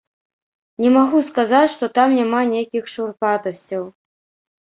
Не магу сказаць, што там няма нейкіх шурпатасцяў.